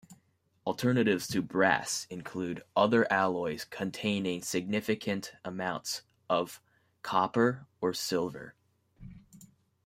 Alternatives to brass include other alloys containing significant amounts of copper or silver.